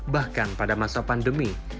bahkan pada masa pandemi